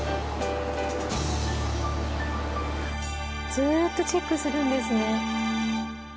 ずーっとチェックするんですね。